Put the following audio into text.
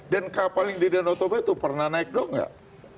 dan kapal yang dididik otobah itu pernah naik dong gak